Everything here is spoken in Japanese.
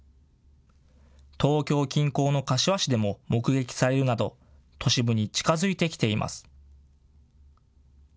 東京近郊の柏市でも目撃されるなど都市部に近づいてきています。